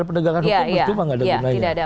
pendegakan hukum itu memang nggak ada gunanya